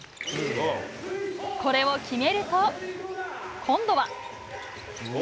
これを決めると、今度は。